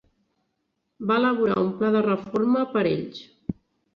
Va elaborar un pla de reforma per a ells.